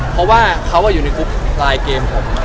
เพราะว่าเขาอยู่ในกรุ๊ปไลน์เกมผม